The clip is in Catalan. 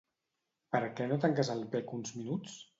Per què no tanques el bec uns minuts?